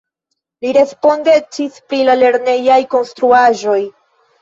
Li respondecis pri la lernejaj konstruaĵoj.